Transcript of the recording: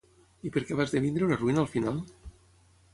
I per què va esdevenir una ruïna al final?